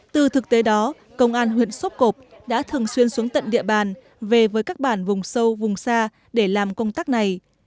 từ thực tế đó công an huyện sốp cộp đã thường xuyên xuống tận địa bàn về với các bản vùng sâu vùng xa để làm công tác này